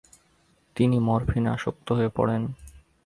তিনি মরফিনে আসক্ত হয়ে পড়েন।